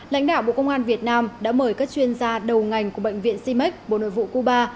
lãnh đạo bộ công an việt nam đã mời các chuyên gia đầu ngành của bệnh viện cimec bộ nội vụ cuba